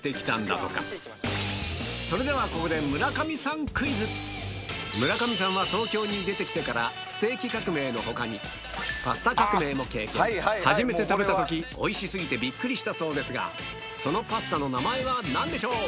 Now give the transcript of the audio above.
とそれではここで村上さんは東京に出て来てからステーキ革命の他にパスタ革命も経験初めて食べた時おいし過ぎてびっくりしたそうですがそのパスタの名前は何でしょう？